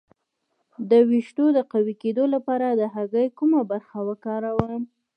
د ویښتو د قوي کیدو لپاره د هګۍ کومه برخه وکاروم؟